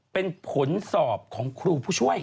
เป็นผลสอบของครูผู้ช่วย